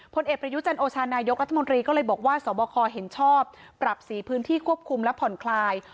ผลเอกประยุจันโอชานายกรัฐมนตรีก็เลยบอกว่าสบคเห็นชอบปรับสีพื้นที่ควบคุมและผ่อนคลาย